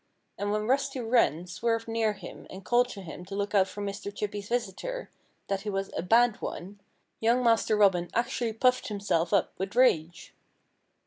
And when Rusty Wren swerved near him and called to him to look out for Mr. Chippy's visitor that he was "a bad one" young Master Robin actually puffed himself up with rage.